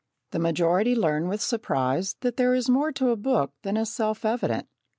The majority learn with surprise that there is more to a book than is self evident.